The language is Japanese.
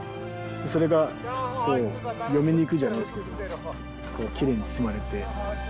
それが嫁に行くじゃないですけどきれいに包まれて。